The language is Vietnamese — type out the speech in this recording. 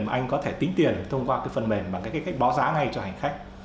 mà anh có thể tính tiền thông qua cái phần mềm bằng cách báo giá ngay cho hành khách